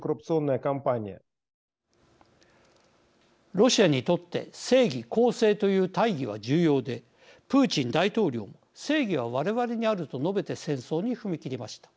ロシアにとって正義公正という大義は重要でプーチン大統領も正義は我々にあると述べて戦争に踏み切りました。